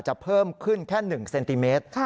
เพิ่มขึ้นแค่๑เซนติเมตร